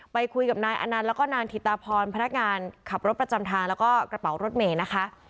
ไปคุยกับนายอนันต์แล้วก็นางถิตาพรพนักงานขับรถประจำทางแล้วก็กระเป๋ารถเมย์นะคะ